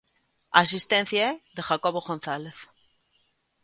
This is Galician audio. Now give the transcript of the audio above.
A asistencia é de Jacobo González.